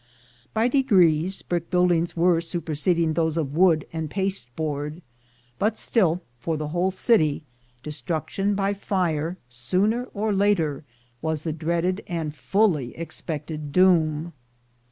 By degrees, brick buildings were superseding those of wood and pasteboard; but still, for the whole city, destruction by fire, sooner or later, was the dreaded and fully expected doom.